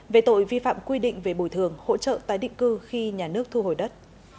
về tội vi phạm quy định về bồi thường hỗ trợ tái định cư khi nhà nước thu hồi đất